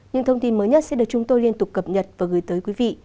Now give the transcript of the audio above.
những thông tin mới nhất sẽ được chúng tôi liên tục cập nhật và gửi tới quý vị